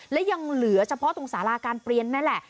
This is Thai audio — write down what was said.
และยังเหลือเฉพาะตรงสาราการเปลี่ยนนั่นแหละ